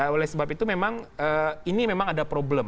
oleh sebab itu memang ini memang ada problem